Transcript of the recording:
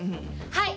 はい！